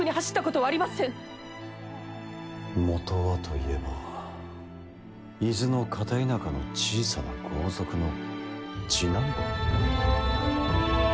元はといえば伊豆の片田舎の小さな豪族の次男坊。